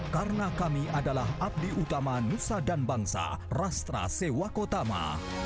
karena kami adalah abdi utama nusa dan bangsa rastra sewakotama